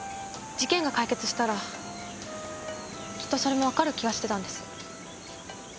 事件が解決したらきっとそれもわかる気がしてたんです。